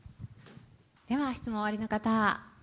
では質問おありの方。